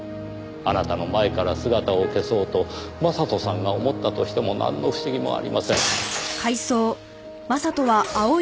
あなたの前から姿を消そうと将人さんが思ったとしてもなんの不思議もありません。